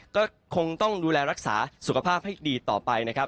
ก็คงต้องดูแลรักษาสุขภาพให้ดีต่อไปนะครับ